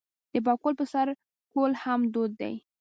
د پکول په سر کول هم دود دی.